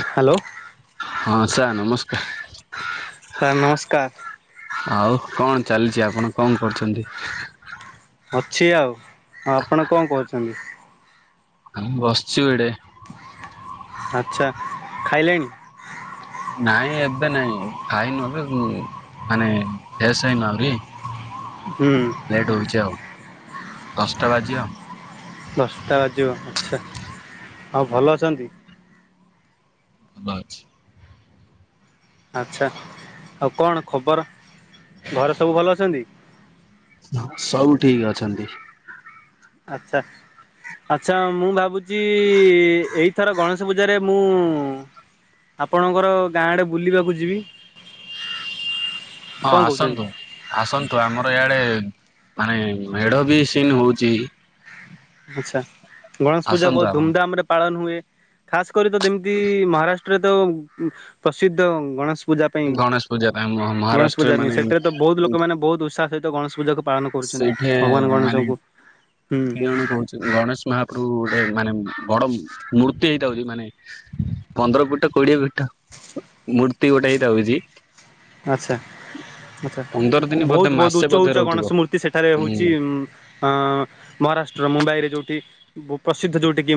Hello. ହଁ sir ନମସ୍କାର। Sir ନମସ୍କାର। ଆଉ କଣ ଚାଲିଛି ଆପଣ କଣ କରୁଛନ୍ତି? ଅଛି ଆଉ ଆ ଆପଣ କଣ କରୁଛନ୍ତି? ବସିଛୁ ଏଇଡେ। ଆଚ୍ଛା ଖାଇଲେଣି? ନାଇଁ ଏବେ ନାଇଁ ଖାଇନୁ ଏବେ ମାନେ ଫ୍ରେଶ ହେଇନୁ ଆହୁରି ହୁଁ। ଲେଟ୍ ହେଉଛି ଆଉ ଦଶଟା ବାଜିବ। ଦଶଟା ବାଜିବ ଆଚ୍ଛା ଆଉ ଭଲ ଅଛନ୍ତି। ଭ ଅଛି। ଆଚ୍ଛା ଆଉ କଣ ଖବର ଘରେ ସବୁ ଭଲ ଅଛନ୍ତି। ହ ସବୁ ଠିକ୍ ଅଛନ୍ତି। ଆଚ୍ଛା। ଆଚ୍ଛା ମୁଁ ଭାବୁଛି ଏଇଥର ଗଣେଶ ପୂଜାରେ ମୁଁ ଆପଣଙ୍କର ଗାଁଡ଼େ ବୁଲିବାକୁ ଯିବି ହଁ କଣ କହୁଛନ୍ତି? ଆସନ୍ତୁ ଆସନ୍ତୁ ଆମର ଇଆଡ଼େ ମାନେ ମେଢ଼ ବି ସିନ୍ ହଉଛି। ଆଚ୍ଛା ଗଣେଶ ପୂଜା ଆସନ୍ତୁ ବହୁତ ଆପଣ ଧୁମଧାମ ରେ ପାଳନ ହୁଏ। ଖାସ କରି ତ ଯେମିତି ମହାରାଷ୍ଟ୍ରରେ ତ ପ୍ରସିଦ୍ଧ ଗଣେଶ ପୂଜା ପାଇଁ ଗଣେଶ ପୂଜା ପାଇଁ ଗଣେଶ ମହାରାଷ୍ଟ୍ରରେ ପୂଜା ମାନେ ପାଇଁ ସେଠାରେ ତ ବହୁତ ଲୋକମାନୋନେ ବହୁତ ଉତ୍ସାହ ସହିତ ଗଣେଶ ପୂଜା ପାଳନ କରୁଛନ୍ତି ସେଇଠି ଭଗବାନ ଗଣେଶଙ୍କୁ। ହୁଁ ଣ କହୁଛି ଗଣେଶ ମହାପ୍ରଭୁ ଗୋଟେ ମାନେ ବଡ ମୂର୍ତ୍ତି ହେଇଥାଉଛି ମାନେ ପନ୍ଦର ପିଟ କୋଡିଏ ପିଟ ମୂର୍ତ୍ତି ଗୋଟେ ହେଇଟ ହଉଛି। ଆଚ୍ଛା ଆଚ୍ଛା ଦିନ ବୋଧେ ବହୁତ ବହୁତ ମାସେ ଉଚ୍ଚ ବୋଧେ ଉଚ୍ଚ ରହୁଥିବ ଗଣେଶ ମୂର୍ତ୍ତି ସେଠାରେ ହୁଁ ହଉଛି ଅ ମହାରାଷ୍ଟ୍ର ମୁମ୍ବାଇରେ ଯୋଉଠି ପ୍ରସିଦ୍ଧ ଯୋଉଠି କି।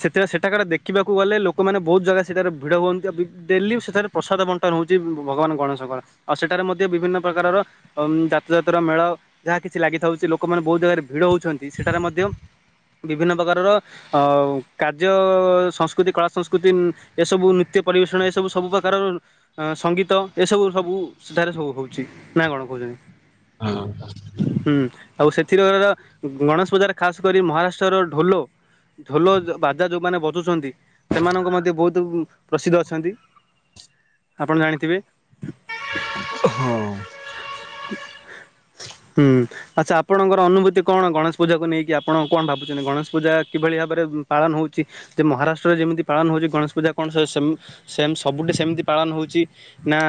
ସେଥି ସେଠାକାର ଦେଖିବାକୁ ଗଲେ ଲୋକମାନେ ବହୁତ ଜାଗା ସେଠାରେ ଭିଡ଼ ହୁଅନ୍ତି ଡେଲି ସେଠାରେ ପ୍ରସାଦ ବଣ୍ଟନ ହେଉଛି ଭଗବାନ ଗଣେଶଙ୍କର ଆଉ ସେଠାରେ ମଧ୍ୟ ବିଭିନ୍ନ ପ୍ରକାରର ଯାତ ଜାତର ମେଳ ଯାହା କିଛି ଲାଗିଥାଉଛି ଲୋକମାନେ ବହୁତ ଜାଗାରେ ଭିଡ ହଉଛନ୍ତି ସେଠାରେ ମଧ୍ୟ। ବିଭିନ୍ନ ପ୍ରକାରର ଅ କାର୍ଯ୍ୟ ସଂସ୍କୃତି କଳା ସଂସ୍କୃତି ଏସବୁ ନୃତ୍ୟ ପରିବେଷଣ ଏସବୁ ସବୁ ପ୍ରକାରର ସଙ୍ଗୀତ ଏସବୁ ସବୁ ସେଠାରେ ସବୁ ହଉଛି ନା କଣ କହୁଛନ୍ତି। ହଁ ହୁଁ ଆଉ ସେଥିରେ ଗଣେଶ ପଜାର ଖାସ୍ କରି ମହାରାଷ୍ଟ୍ରର ଢୋଲୋ। ଝୋଲ ବାଜା ଯେଉଁମାନେ ବସୁଛନ୍ତି ସେମାନଙ୍କ ମଧ୍ୟ ବହୁତ ପ୍ରସିଦ୍ଧ ଅଛନ୍ତି। ଆପଣ ଜାଣିଥିବେ। ହଁ। ହୁଁ। ଆଚ୍ଛା ଆପଣଙ୍କର ଅନୁଭୂତି କଣ ଗଣେଶ ପୂଜାକୁ ନେଇକି ଆପଣ କଣ ଭାବୁଛଚନ୍ତି ଗଣେଶ ପୂଜା କିଭଳି ଭାବରେ ପାଳନ ହଉଛିଚି? ଯେ ମହାରାଷ୍ଟ୍ରରେ ଯେମିତି ପାଳନ ହଉଛି ଗଣେଶ ପୂଜା କଣ ସ ସେ ସେମ୍ ସବୁଠି ସେମିତି ପାଳନ ହଉଚି ନା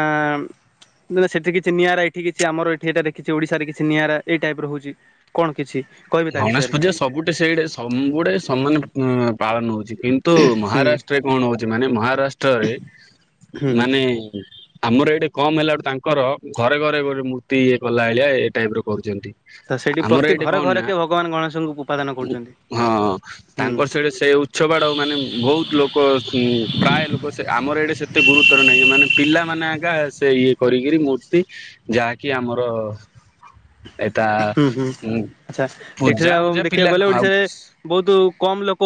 ମ ସେଠି କିଛି ନିଆରାଇ ଏଠି କିଛି ଆମର ଏଠି ଏଟା କିଛି ଓଡ଼ିଶାରେ କିଛି ନିଆରା ଏଇ ଟାଇପ ରହୁଛି କଣ କିଛି କହିବେ ତା ଗଣେଶ ବିଷୟରେ ପୂଜା ସବୁଠେ ସେଇଡେ ସବୁଡେ ସମାନେ ପାଳନ ହଉଚି କିନ୍ତୁ ତ ହୁଁ ମହାରାଷ୍ଟ୍ରରେ କଣ ହଉଚି ମାନେ ମହାରାଷ୍ଟ୍ରରେ ହୁଁ ମାନେ ଆମର ଏଇଠେ କମ ହେଲା ବୁ ତାଙ୍କର ଘରେ ଘରେ ଗୋଟେ ମୂର୍ତ୍ତି ଇଏ କଲା ଭଳିଆ ଏଇ ଟାଇପ ର କରୁଚନ୍ତି। ତ ସେଠି ପ୍ରତି ଘରେ ଘରେ କେ ଭଗବାନ ଗଣେଶଙ୍କୁ ଉପାଦାନ କରୁଛନ୍ତି ହଁ ହୁଁ ତାଙ୍କର ସହିତ ସେ ଉତ୍ସବ ବାଡ ମାନେ ବହୁତ ଲୋକ ଲୋକ ପ୍ରାୟ ଲୋକ ଆମର ଏଇଟେ ସେତେ ଗୁରୁତର ନାହିଁ ମାନେ ପିଲାମାନୋନେ ଆକା ସେ ଇଏ କରିକିରି ମୂର୍ତ୍ତି ଯାହାକି ଆମର ଏଟା ହୁଁ ହୁଁ ଉ ଆଚ୍ଛା ଏଠିରେ ଆଉ ଦେଖିବାକୁ ଗଲେ ଓଡିଶାରେ ବହୁତ କମ୍ ଲୋକ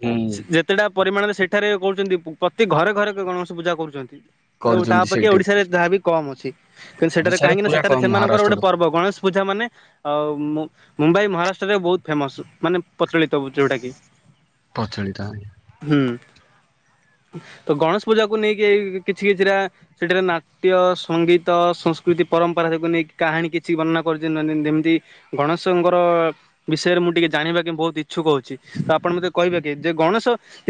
ହୁଁ ଯେତେଟା ପରିମାଣରେ ସେଠାରେ କହୁଚନ୍ତି ପ୍ରତି ଘରେ ଘରେ ଗଣେଶ ପୂଜା କରୁଚନ୍ତି। ତା କରୁଛନ୍ତି ଅପକ୍ଷେ ସେଇଠି ଓଡିଶାରେ ଯହା ବି କମ ଅଛି କିନ୍ତୁ ସେଠାରେ ଓଡିଶାରେ କାହିଁକି ନା ପୁରା ସେଠାରେ କମ ସେମାନଙ୍କର ଗୋଟେ ମହାରାଷ୍ଟ୍ରରୁ ଗଣେଶ ପୂଜା ମାନେ ଆଉ ମୁ ମୁମ୍ବାଇ ମହାରାଷ୍ଟ୍ରରେ ବହୁତ ଫେମସ ମାନେ ପ୍ରଚଳିତ ଯୋଉଟା କି। ପ୍ରଚଳିତ। ହୁଁ ତ ଗଣେଶ ପୂଜାକୁ ନେଇକି ଏ କିଛି କିଛିଟା ସେଠାରେ ନାଟ୍ୟ ସଙ୍ଗୀତ ସଂସ୍କୃତି ପରମ୍ପରା ସବକୁ ନେଇକି କାହାଣୀ କିଛି ବର୍ଣ୍ଣନା କରିଚନ୍ତି। [unintelligible] ଯେମିତି ଗଣେଶଙ୍କର ବିଷୟରେ ମୁଁ ଟିକେ ଜାଣିବା ପାଇଁ ବହୁତ ଇଚ୍ଛୁକ ହଉଚି। ତ ଆପଣ ମତେ କହିବେ କି ଯେ ଗଣେଶ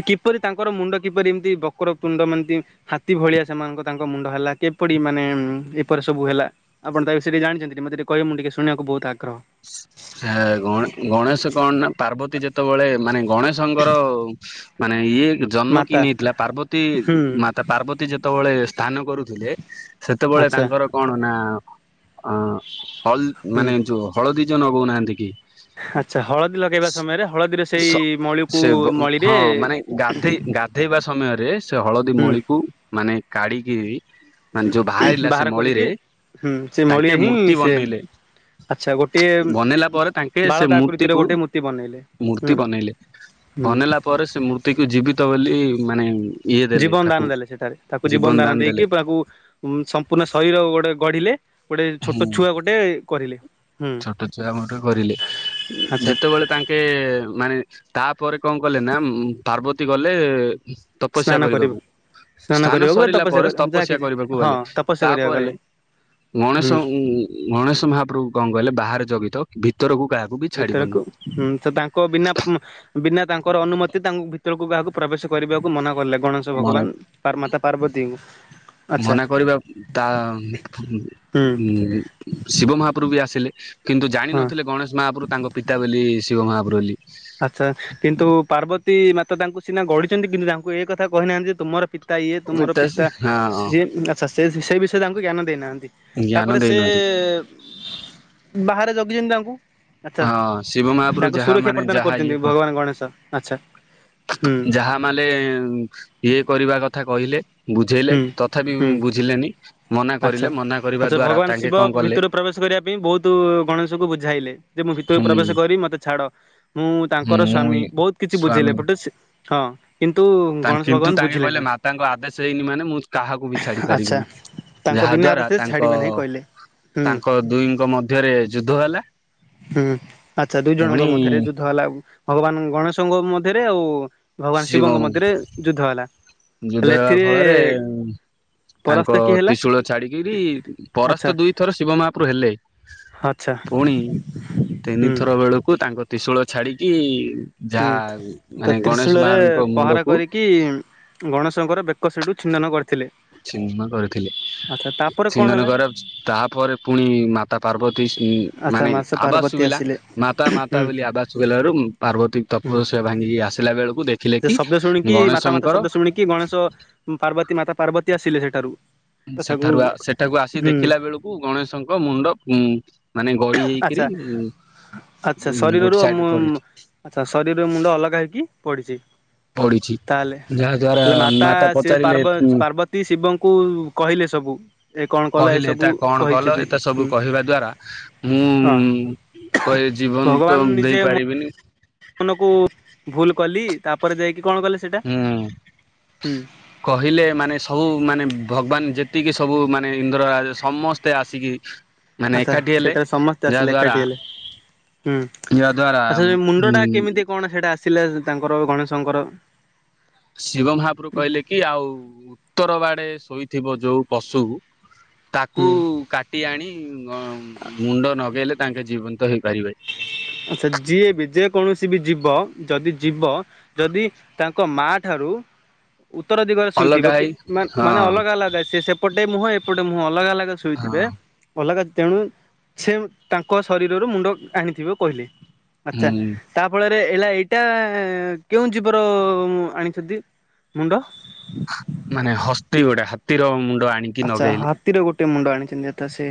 କିପରି ତାଙ୍କର ମୁଣ୍ଡ କିପରି ଏମିତି ବକର ତୁଣ୍ଡ ମାନେ ତି ହାତୀ ଭଳିଆ ସେମାନଙ୍କ ତାଙ୍କ ମୁଣ୍ଡ ହେଲା କେପରି ମାନେ ଏପରେ ସବୁ ହେଲା? ଆପଣ ତା [unintelligible] ଜାଣିଚନ୍ତି ମତେ ଟିକେ କହିବେ ମୁଁ ଟିକେ ଶୁଣିବାକୁ ବହୁତ ଆଗ୍ରହ। ସେ ଗଣେ ଗଣେଶ କଣ ନା ପାର୍ବତୀ ଯେତେବେଳେ ମାନେ ଗଣେଶଙ୍କର ମାନେ ଇଏ ଜନ୍ମ କି ମାତା ନେଇଥିଲା ପାର୍ବତୀ ହୁଁ ମା ତ ପାର୍ବତୀ ଯେତେବେଳେ ସ୍ନାନ କରୁଥିଲେ ସେତେବେଳେ ଆଚ୍ଛା ତାଙ୍କର କଣ ନା ହ ଲ ହୁଁ ମାନେ ଯୋଉ ହଳଦୀ ଯୋଉ ନଗଉନାହାନ୍ତି କି? ଆଚ୍ଛା ହଳଦୀ ଲଗେଇବା ସମୟରେ ହଳଦୀରେ ସ ସେଇ ମଳିକୁ ସେ ମଳିରେ ହଁ ମାନେ ଗାଧେଇ ଗାଧେଇବା ସମୟରେ ସେ ହଳଦୀ ହୁଁ ମଳିକୁ ମାନେ କାଢ଼ିକି ମାନେ ଯୋଉ ବାହାରିଲା ସେ ବାହାର କରିକି ମଳିରେ ହୁଁ ସେ ମଳିରେ ତାଙ୍କେ ହିଁ ମୂର୍ତ୍ତି ସେ ବନେଇଲେ। ଆଚ୍ଛା, ବନେଇଲା ଗୋଟିଏ ପରେ ତାଙ୍କେ ସେ ବାଳକ ଆକୃତିରେ ମୂର୍ତ୍ତିକୁ ଗୋଟେ ମୂର୍ତ୍ତି ବନେଇଲେ। ମୂର୍ତ୍ତି ବନେଇଲେ ହୁଁ। ବନେଇଲା ପରେ ସେ ମୂର୍ତ୍ତିକୁ ଜୀବିତ ବୋଲି ମାନେ ଇଏ ଦେଲେ ଜୀବନ ତାକୁ ଦାନ ଦେଲେ ସେଠାରେ। ତାକୁ ଜୀବନ ଦାନ ଦେଇକି ତାକୁ ଉ ସମ୍ପୂର୍ଣ୍ଣ ଶରୀର ଗୋଟେ ଗଢିଲେ। ଗୋଟେ ଛୋଟ ଛୁଆ ଗୋଟେ କରିଲେ। ହୁଁ ଛୋଟଛୁଆ ମୋଟେ କରିଲେ। ଆଚ୍ଛା ଯେତେବେଳେ ତା ଙ୍କେ ମାନେ ତାପରେ କଣ କଲେ ନା ପାର୍ବତୀ ଗଲେ ସ୍ନାନ ତପସ୍ୟା କରିବ। କରିବାକୁ। ସ୍ନାନ ସ୍ଥାନ କରିବାକୁ ବା ସରିଲା ପରେ ଯାହା ତପସ୍ୟା କିଛି କରିବାକୁ ହଁ ଗଲେ। ତପସ୍ୟା କରିବାକୁ ତାପରେ ଗଲେ ଗଣେଶ ହୁଁ। ଉ ଗଣେଶ ମହାପ୍ରଭୁ କଣ କହିଲେ ବାହାରେ ଜଗିଥାଅ ଭିତରକୁ କାହା ଭିତରକୁ ହଁ ସେ ତାଙ୍କ ବିନା ମ୍ ବିନା ତାଙ୍କର ଅନୁମତି ତାଙ୍କୁ ଭିତରକୁ କାହାକୁ ପ୍ରବେଶ କରିବାକୁ ମନା କଲେ ଗଣେଶ୍ ମନେ ଭଗବାନ ମାତା ପାର୍ବତୀଙ୍କୁ ଆଚ୍ଛା ମନା କରିବା ତା ହୁଁ ହୁଁ ଶିବ ମହାପୁରୁ ବି ଆସିଲେ କିନ୍ତୁ ହଁ। ଜାଣିିନଥିଲେ ଗଣେଶ ମହାପ୍ରଭୁ ତାଙ୍କ ପିତା ବୋଲି ଶିବ ମହାପ୍ରୁ ବୋଲି। ଆଚ୍ଛା କିନ୍ତୁ ପାର୍ବତୀ ମାତେ ତାଙ୍କୁ ସିନା ଗଡିଛନ୍ତି କିନ୍ତୁ ତାଙ୍କୁ ଏ କଥା କହିନାହାନ୍ତି ଯେ ତୁମର ପିତା ଇଏ ତୁମର ପିତା ସିଏ ହଁ ଆଚ୍ଛା ସେ ସେ ବିଷୟରେ ତାଙ୍କୁ ଜ୍ଞାନ ଦେଇନାହାନ୍ତି। ଜ୍ଞାନ ତାପରେ ସେ ଦେଇନାହାନ୍ତି ବାହାରେ ଜଗିଛନ୍ତି ତାଙ୍କୁ। ଆଚ୍ଛା ହଁ ଶିବ ମହାପ୍ରଭୁ ତାଙ୍କୁ ଯାହା ସୁରକ୍ଷା ମାନେ ପ୍ରଦାନ ଯାହା ଇଏ କରୁଛନ୍ତି ଭଗବାନ ଗଣେଶ ଆଚ୍ଛା ହୁଁ। ମାଲେ ଇଏ କରିବା କଥା କହିଲେ, ବୁଝେଇଲେ, ହୁଁ ତଥାପି ହୁଁ। ଉଁ ବୁଝିଲେନି। ମନା ଆଚ୍ଛା। କରିଲେ ମନା କରିବା ଆଚ୍ଛା ଦ୍ଵାରା ଭଗବାନ ଶିବ ତାଙ୍କେ କଣ କଲେ। ଭିତରୁ ପ୍ରବେଶ କରିବା ପାଇଁ ବହୁତୁ ଗଣେଶଙ୍କୁ ବୁଝାଇଲେ ଯେ ମୁଁ ଭିତରୁ ହୁଁ ପ୍ରବେଶ କରି ମୋତେ ଛାଡ଼। ମୁଁ ତାଙ୍କର ମୁଁ ସ୍ଵାମୀ ବହୁତ କିଛି ବୁଝେଇଲେ ସ୍ଵାମୀ ପଟ ସେ ହଁ କିନ୍ତୁ। ଗଣେଶ କିନ୍ତୁ ଭଗବାନ ତାଙ୍କେ ବୁଝିଲେ କହିଲେ ନାହିଁ ମାତାଙ୍କ ଆଦେଶ ହେଇନି ମାନେ ମୁଁ କାହାକୁ ବି ଛାଡି ଆଚ୍ଛା। ପାରିବିନି। ତାଙ୍କ ବିନା ଯାହାଦ୍ଵାରା ଆଦେଶରେ ତାଙ୍କ ଛାଡିବେ ନାହିଁ କହିଲେ ହୁଁ ତାଙ୍କ ଦୁହିଙ୍କ ମଧ୍ୟରେ ଯୁଦ୍ଧ ହେଲା। ହୁଁ, ଆଛା ଦୁଇ ଜଣଙ୍କ ପୁଣି ମଧ୍ୟରେ ଯୁ ଯୁଦ୍ଧ ହେଲା ଭଗବାନ ଗଣେଶଙ୍କ ମଧ୍ୟରେ ଆଉ ଭଗବାନ ଶିବ ଶିବଙ୍କ ମଧ୍ୟରେ ଯୁଦ୍ଧ ହେଲା। ହେଲେ ଯୁଦ୍ଧ ହେବା ଏଥିରେ ଫଳରେ ପରାସ୍ତ ତାଙ୍କ କିଏ ହେଲା ତ୍ରିଶୂଳ ଛାଡିକରି ଆଚ୍ଛା ପରାସ୍ତ ଦୁଇଥର ଶିବ ମହାପ୍ରୁ ହେଲେ। ଆଚ୍ଛା ଫୁଣି ହୁଁ। ତିନିଥର ବେଳକୁ ତାଙ୍କ ତିଶୂଳ ଛାଡିକି। ହୁଁ ଯାହା ତ ମାନେ ଗଣେଶ ତ୍ରିଶୂଳରେ ମାହାରଙ୍କ ପହରା ମୁଣ୍ଡକୁ କରିକି। ଗଣେଶଙ୍କର ବେକ ସେଡୁ ଛିନନ୍ନ କରିଥିଲେ। ଛିନ୍ନ କରୁଥିଲେ। ଆଚ୍ଛା ତାପରେ କଣ ହେଲା? ତାପରେ ପୁଣି ମାତା ପାର୍ବତୀ ଆଚ୍ଛା ମାନେ ମାସ ଆବାସ ପାର୍ବତୀ ଶୁଭିଲା। ଆସିଲେ। ମାତା ମାତା ହୁଁ ବୋଲି ଆବାସ ଗଲାରୁ ପାର୍ବତୀ ହୁଁ ତପସ୍ୟା ଭାଙ୍ଗିକି ଆସିଲା ବେଳକୁ ଦେ ସେ ଶବ୍ଦ ଶୁଣିକି ମାତାମାତା ଶବ୍ଦ ଶୁଣିକି ଗଣେଶ ପାର୍ବତୀ ମାତା ପାର୍ବତୀ ଆସିଲେ ସେଠାରୁ। ଆଚ୍ଛା ହୁଁ ସେଠାରୁ ସେଠାକୁ ଆସି ଦେଖିଲା ବେଳକୁ ଗଣେଶଙ୍କ ମୁଣ୍ଡ ଉଁ ମାନେ ଗଡି ଆଚ୍ଛା ହେଇକିରି ଉଁ। ଆଚ୍ଛା ଗୋଟେ ଶରୀରରୁ ସାଇଡରେ ମୁ ପଡିଛି ଆଛା ଶରୀରର ମୁଣ୍ଡ ଅଲଗା ହେଇକି ପଡିଛି। ପଡିଚି। ତାହେଲେ ହେଲେ ମାତା ସେ ପାର୍ବ ଉଁ ପାର୍ବତୀ ଶିବଙ୍କୁ କହିଲେ ସବୁ। ଏ କଣ କଲା କହିଲେ ଏସବୁ ଏତା କଣ କଲ କହିଛନ୍ତି ଏତେ ସବୁ ହୁଁ କହିବା ଦ୍ଵାରା ହଁ। ମୁଁ କହିଲେ ଜୀବନ ତ ଭଗବାନ ନିଜେ ମୋ ଦେଇପାରିବିନି। ମନକୁ ଭୁଲ କଲି ତାପରେ ଯାଇକି କଣ କଲେ ସେଟା ହୁଁ। ହୁଁ କହିଲେ ମାନେ ସବୁ ମାନେ ଭଗବାନ ଯେତିକି ସବୁ ମାନେ ଇନ୍ଦ୍ରରାଜ ସମସ୍ତେ ଆସିକି। [inaudible] ଆଛା ଏକାଠି ହେଲେ ସେଠାରେ ସମସ୍ତେ ଯାହା ଆସିଲେ ଦ୍ଵାରା ଏକାଠି ହେଲେ। ହୁଁ ଯାହା ଦ୍ଵାରା ଆଛା ସେ ମୁଣ୍ଡ ଟା ଉଁ କେମିତି କଣ ସେଟା ଆସିଲା ତାଙ୍କର ଗଣେଶଙ୍କର। ଶିବ ମହାପ୍ରୁ କହିଲେ କି ଆଉ। ଉତ୍ତର ବାଡେ ଶୋଇଥିବା ଯୋଉ ପଶୁ। ତାକୁ ହୁଁ କାଟି ଆଣି ଅ ମୁଣ୍ଡ ନଗେଇଲେ ତାଙ୍କେ ଜୀବନ୍ତ ହେଇପାରିବେ। ଆଛା ଯିଏ ବି ଯେ କୌଣସି ବି ଯିବ ଯଦି ଯିବ। ଯଦି ତାଙ୍କ ମା ଠାରୁ। ଉତ୍ତର ଦିଗରେ ଶୋଇଥିବ ଅଲଗା କି ହେଇ ମା ମାନେ ହଁ ଅଲଗା ଅଲଗା ସେ ସେପଟେ ମୁହଁ ଏପଟେ ମୁହଁ ଅଲଗା ଅଲଗା ଗା ହଁ ଶୋଇଥିବେ ଅଲଗା ତେଣୁ ସେ ତାଙ୍କ ଶରୀରରୁ ମୁଣ୍ଡ। ଆଣିଥିବ କହିଲି। ହୁଁ ତା ଫଳରେ ହେଲା ଏଇଟା କେଉଁ ଜୀବର ଆଣିଚନ୍ତି ମୁଣ୍ଡ? ମାନେ ହସ୍ତି ଗୋଟେ ହାତୀର ମୁଣ୍ଡ ଆଣିକି ଆଛା ନଗେଇଲେ ହାତୀର ଗୋଟଏ ମୁଣ୍ଡ ଆଣିଛନ୍ତି ଯଥା ସେ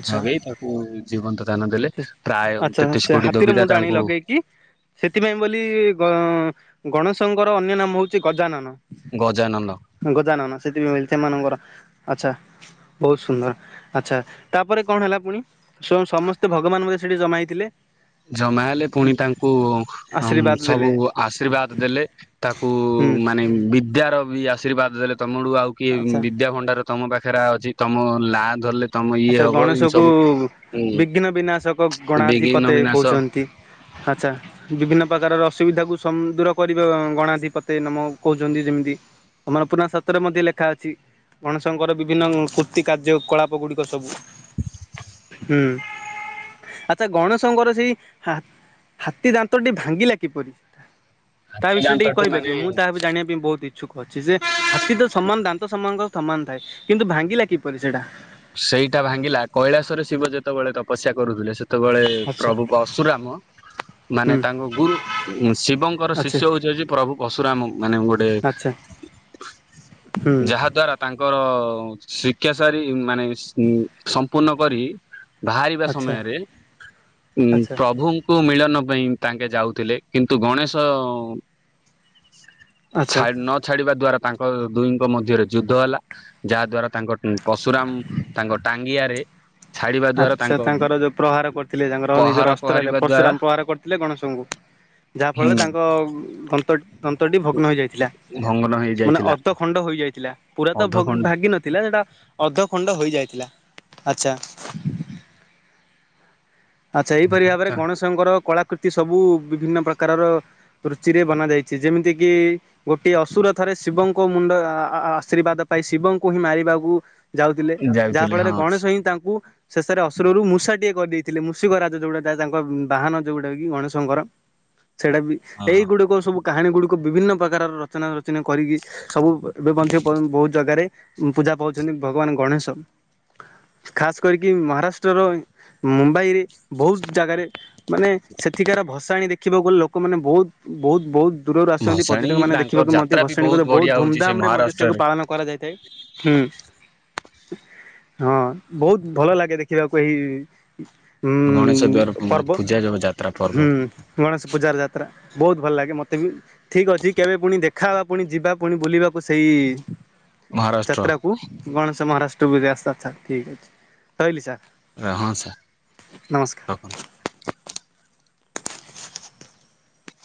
ଆଚ୍ଛା ନଗେଇ ତାକୁ ଜୀବନ୍ତ ଦାନ ଦେଲେ ପ୍ରାୟ ଆଚ୍ଛା ତେତିଶ ସେ କୋଟି ହାତୀର ଦେବିଦା ମୁଣ୍ଡ ଆଣି ତାଙ୍କୁ ଲଗେଇକି ସେଥିପାଇଁ ବୋଲି ଗଣେଶଙ୍କର ଅନ୍ୟ ନାମ ହଉଛି ଗଜାନନ ଗଜାନନ। ଗଜାନନ ସେଥିପାଇଁ ସେମାନଙ୍କର ଆଚ୍ଛା। ବହୁତ ସୁନ୍ଦର ଆଚ୍ଛା ତାପରେ କଣ ହେଲା ପୁଣି ସମସ୍ତ ସେ ଭଗବାନ ମତେ ସେଠି ଜମାଇ ଥିଲେ ଜମା ହେଲେ ପୁଣି ତାଙ୍କୁ ଆଶୀର୍ବାଦ ସବୁ ଦେଲେ ଆଶୀର୍ବାଦ ଦେଲେ। ତାକୁ ହୁଁ ମାନେ ବିଦ୍ୟାର ବି ଆଶୀର୍ବାଦ ଦେଲେ ତମଡୁ ଆଉ କିଏ ଆଚ୍ଛା ବିଦ୍ୟା ଭଣ୍ଡାର ତମ ପାଖରେ ଅଛି ତମ ନା ଧରଲେ ଆଚ୍ଛା ଗଣେଶକୁ ବିଘ୍ନ ବିନାଶକ ବିଘିନ୍ନ ଗଣାଧିପତେ ବିନାଶ କହୁଛନ୍ତି ଆଚ୍ଛା। ବିଭିନ୍ନ ପ୍ରକାରର ଅସୁବିଧାକୁ ଦୂର କରିବ ଗଣାଧି ପତେ ନାମ କହୁଛନ୍ତି ଯେମିତି ଆମର ପୁରୁଣା ଶାତ୍ରରେ ମଧ୍ୟ ଲେଖା ଅଛି ଗଣେଶଙ୍କର ବିଭିନ୍ନ କୃର୍ତି କାର୍ଯ୍ୟକଳାପ ଗୁଡିକ ସବୁ ହୁ। ଆଛା ଗଣେଶଙ୍କର ସେଇ ହାତୀ ଦାନ୍ତଟି ଭାଙ୍ଗିଲା କିପରି? ତା ବିଷୟରେ ଟିକ ହାତୀଦାନ୍ତଟି କହିବେ ମାନେ କି ମୁଁ ତାର ବିଷୟରେ ଜାଣିବା ପାଇଁ ବହୁତ ଇଛା ଛୁକ ଅଛି ଯେ ହାତୀ ତ ସମାନ ଦାନ୍ତ ସମାନଙ୍କର ସମାନ ଥାଏ କିନ୍ତୁ ଭାଙ୍ଗିଲା କିପରି ସେଇଟା ସେଇଟା ଭାଙ୍ଗିଲା କୈଳାସରେ ଶିବ ଯେତେବେଳେ ତପସଯ୍ୟା କରୁଥିଲେ ସେ ଯେତେବେଳେ ଆଚ୍ଛା ପ୍ରଭୁ ପଶୁରାମ ମାନେ ହୁଁ ତାଙ୍କ ଗୁରୁ ଶିବଙ୍କର ଆଚ୍ଛା ଶିଷ୍ୟ ହଉଚି ପ୍ରଭୁ ପଶୁରାମ ମାନେ ଗୋଟେ ଆଚ୍ଛା। ହୁଁ ଯାହା ଦ୍ଵାରା ତାଙ୍କର ଶିକ୍ଷା ସାରି ମାନେ ସମ୍ପୂର୍ଣ୍ଣ କରି ବାହାରିବା ଆଚ୍ଛା ସମୟରେ ଉ ଆଚ୍ଛା ପ୍ରଭୁ କୁ ମିଳନ ପାଇଁ ତାଙ୍କେ ଯାଉଥିଲେ କିନ୍ତୁ ଗଣେଶ ଆଚ୍ଛା। ଛା ନ ଛାଡିବା ଦ୍ଵାରା ତାଙ୍କ ଦୁଇଙ୍କ ମଧ୍ୟରେ ଯୁଦ୍ଧ ହେଲା ଯାହା ଦ୍ଵାରା ତାଙ୍କ ପଶୁରାମ ତାଙ୍କ ଟାଙ୍ଗିଆରେ ଛାଡିବା ଦ୍ଵାରା ଆଚ୍ଛା ତାଙ୍କ ତାଙ୍କର ଯୋଉ ପ୍ରହାର କରିଥିଲେ ତାଙ୍କର ପହାର ନିଜର ଅସ୍ତ୍ରରେ ପହରିବା ଦ୍ଵାରା ପରଶୁରାମ ପ୍ରହାର କରିଥିଲେ ଗଣେଶଙ୍କୁ ଯାହା ହିଁ ଫଳରେ ତାଙ୍କ ଦନ୍ତଟି ଭଗ୍ନ ହୋଇଯାଇଥିଲା ଭଙ୍ଗନ ମାନେ ହେଇଯାଇଥିଲା ଅଧ ଖଣ୍ଡ ହୋଇଯାଇଥିଲା ପୁରା ତ ଅଧ ଘଣ୍ଟା ଭାଙ୍ଗି ନଥିଲା ସେଟା ଅଧ ଖଣ୍ଡ ହେଇଯାଇଥିଲା ଆଛା। ଆଚ୍ଛା ଏଇପରି ଭାବରେ ଗଣେଶଙ୍କର କଳାକୃତି ସବୁ ବିଭିନ୍ନ ପ୍ରକାରର ରୁଚିରେ ବନା ଯାଇଚି ଯେମିତି କି ଗୋଟିଏ ଅସୁର ଥରେ ଶିବଙ୍କ ମୁଣ୍ଡ ଆ ଆ ଆଶୀର୍ବାଦ ପାଇ ଶିବଙ୍କୁ ହିଁ ମାରିବାକୁ ଯାଉଥିଲେ ଯାହା ଯାଉଥିଲେ ଫଳରେ ହଁ ଗଣେଶ ହିଁ ତାଙ୍କୁ ଶେଷରେ ଅସୁରରୁ ମୂଷା ଟିଏ କରିଦେଇ ଥିଲେ ମୁଷିକରାଜ ଯୋଉଟା ଯାଏ ତାଙ୍କ ବାହାନ ଯୋଉଟା କି ଗଣେଶଙ୍କର ସେଇଟା ବି ହଁ ଏଇଗୁଡିକ ସବୁ କାହାଣୀ ଗୁଡିକ ବିଭିନ୍ନ ପ୍ରକାର ରଚନା ରଚନା କରିକି ସବୁ ଏବେ ମଧ୍ୟ ବହୁତ ଜାଗାରେ ପୂଜା ପାଉଚନ୍ତି ଭଗବାନ ଗଣେଶ ଖାସ୍ କରିକି ମହାରାଷ୍ଟ୍ରର ମୁମ୍ବାଇରେ ବହୁତ ଜାଗାରେ ମାନେ ସେଠିକାର ଭସାଣି ଦେଖ୍ ଖିବାକୁ ଗଲେ ଲୋକମାନେ ବହୁତ ବହୁତ ବହୁତ ଦୂରରୁ ଆସୁଚନ୍ତି ଭସାଣି ପର୍ଯ୍ୟଟକମାନେ ତାଙ୍କ ଦେଖିବାକୁ ମଧ୍ୟ ଯାତ୍ରା ବି ଭସାଣି କରିବାକୁ ବଢିଆ ବହୁତ ହଉଛି ସେ ଧୁମଧାମରେ ମଧ୍ୟ ମହାରାଷ୍ଟ୍ରରେ ପାଳନ କରାଯାଇଥାଏ ହୁଁ। ହଁ ବହୁତ ଭଲ ଲାଗେ ଦେଖିବାକୁ ଏହି ଉଁ ଗଣେଶ ଦ୍ବାର ଉଁ ଯୋଉ ପର୍ବ। ପୂଜା ଯୋଉ ଯାତ୍ରା ହୁଁ ପର୍ବ। ଗଣେଶ ପୂଜାର ଯାତ୍ରା ବୋହୁତ ଭଲ ଲାଗେ ମତେ ବି ଠିକ୍ ଅଛି କେବେ ପୁଣି ଦେ ଖା ହବା ପୁଣି ଯିବା ପୁଣି ବୁଲିବାକୁ ସେଇ ମହାରାଷ୍ଟ୍ର ଯାତ୍ରାକୁ। ଗଣେଶ ମହାରାଷ୍ଟ୍ର ବୁଜା ସାର୍ ସାର୍ ଠିକ୍ ଅଛି ରହିଲି ସାର୍। ରା ହଁ ସା ନମସ୍କା ରଖନ୍ତୁ। [inaudible]